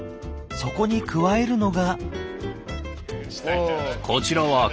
そこに加えるのが？